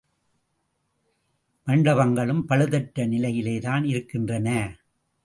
மண்டபங்களும் பழுதுற்ற நிலையிலே தான் இருக்கின்றன.